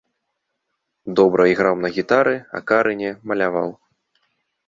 Добра іграў на гітары, акарыне, маляваў.